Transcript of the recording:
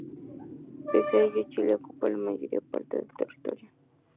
Pese a ello, Chile ocupó la mayor parte del territorio.